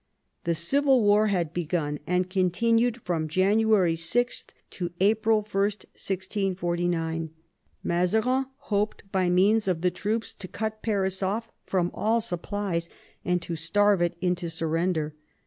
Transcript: The Civil War had begun, and continued from Janu ary 6 to April 1, 1649. Mazarin hoped, by means of the troops, to cut Paris oflF from all supplies and to starve it into surrender.